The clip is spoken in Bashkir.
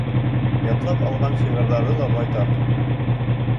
Ятлап алған шиғырҙары ла байтаҡ.